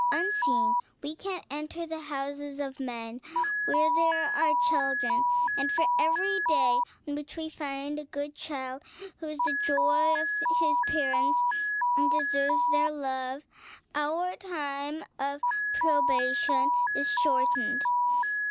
"Unseen we can enter the houses of men, where there are children, and for every day on which we find a good child, who is the joy of his parents and deserves their love, our time of probation is shortened.